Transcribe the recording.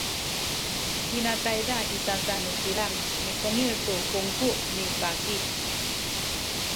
hina tayza i sasa nu kilang mitengil kaku tu kungku ni baki